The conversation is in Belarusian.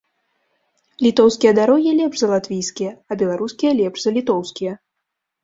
Літоўскія дарогі лепш за латвійскія, а беларускія лепш за літоўскія.